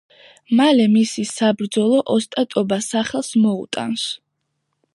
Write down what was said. მალე მისი საბრძოლო ოსტატობა სახელს მოუტანს.